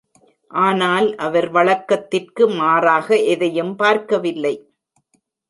ஆனால் அவர் வழக்கத்திற்கு மாறாக எதையும் பார்க்கவில்லை?